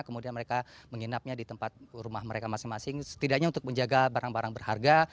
kemudian mereka menginapnya di tempat rumah mereka masing masing setidaknya untuk menjaga barang barang berharga